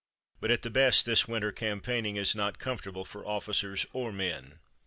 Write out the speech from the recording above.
But at the best this winter campaigning is not comfortable for officers or men."